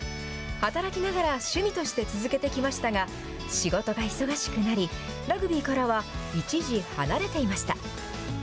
働きながら趣味として続けてきましたが、仕事が忙しくなり、ラグビーからは一時離れていました。